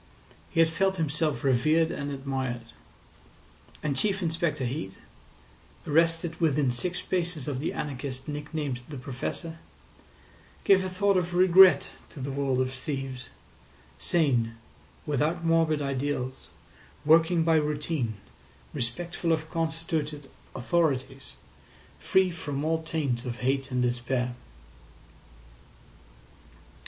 He had felt himself revered and admired. And Chief Inspector Heat, arrested within six paces of the anarchist nick named the Professor, gave a thought of regret to the world of thieves—sane, without morbid ideals, working by routine, respectful of constituted authorities, free from all taint of hate and despair.